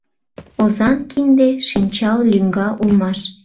Озан кинде-шинчал лӱҥга улмаш.